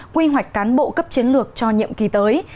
quy hoạch cán bộ cấp chiến lược cho nhiệm kỳ tới